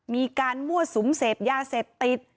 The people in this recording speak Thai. มีการมั่วสุมเสพยาเสพติด